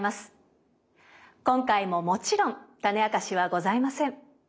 今回ももちろんタネあかしはございません。